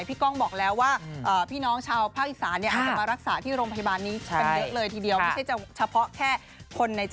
ไปแลนด์กันด้วยค่ะ